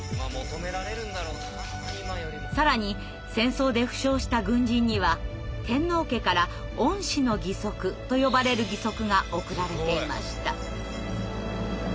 更に戦争で負傷した軍人には天皇家から「恩賜の義足」と呼ばれる義足が贈られていました。